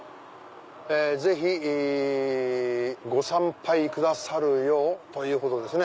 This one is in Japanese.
ぜひご参拝くださるよう！ということですね。